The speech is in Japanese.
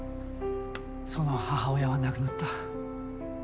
その母親は亡くなった。